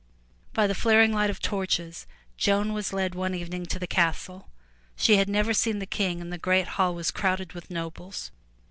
By the flaring light of torches, Joan was led one evening to the castle. She had never seen the King and the great hall was crowded with nobles.